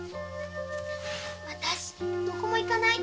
私どこにも行かない。